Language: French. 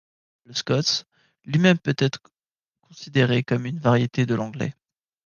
Le scots lui-même peut être considéré comme une variété de l'anglais.